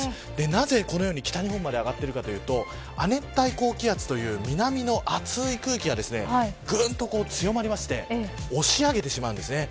なぜこのように北日本まで上がっているかというと亜熱帯高気圧という南のあつい空気がぐんと強まりまして押し上げてしまうんですね。